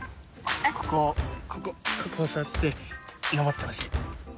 ここここを触って上ってほしい。